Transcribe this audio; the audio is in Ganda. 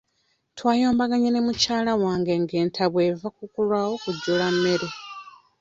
Twayombaganye ne mukyala wange nga entabwe eva kukulwawo kujjula mmere.